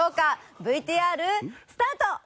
ＶＴＲスタート！